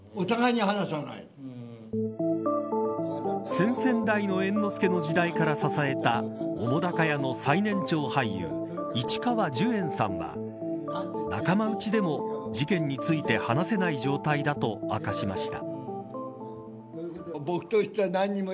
先々代の猿之助の時代から支えた澤瀉屋の最年長俳優市川寿猿さんは仲間内でも事件について話せない状態だと明かしました。